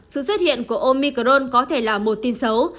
sự xuất hiện của omicron có thể là một tin xấu